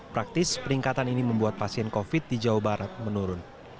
praktis peningkatan ini membuat pasien covid di jawa barat menurun